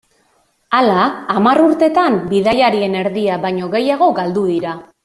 Hala, hamar urtetan bidaiarien erdia baino gehiago galdu dira.